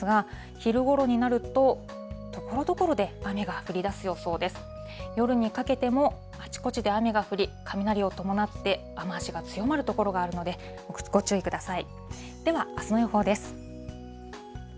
夜にかけてもあちこちで雨が降り、雷を伴って、雨足が強まる所があるのでご注意ください。